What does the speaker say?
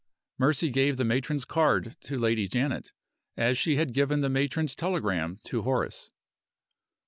Mercy gave the matron's card to Lady Janet, as she had given the matron's telegram to Horace.